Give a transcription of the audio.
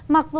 mặc dù là